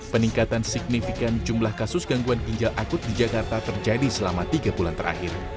peningkatan signifikan jumlah kasus gangguan ginjal akut di jakarta terjadi selama tiga bulan terakhir